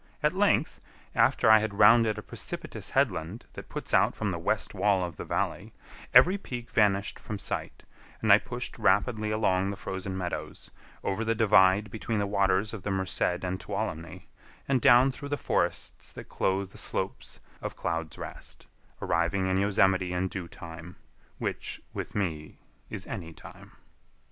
At length, after I had rounded a precipitous headland that puts out from the west wall of the valley, every peak vanished from sight, and I pushed rapidly along the frozen meadows, over the divide between the waters of the Merced and Tuolumne, and down through the forests that clothe the slopes of Cloud's Rest, arriving in Yosemite in due time—which, with me, is any time.